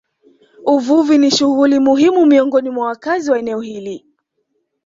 Uvuvi ni shughuli muhimu miongoni mwa wakazi wa eneo hili